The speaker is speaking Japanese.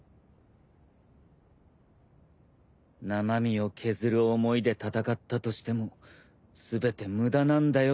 生身を削る思いで戦ったとしても全て無駄なんだよ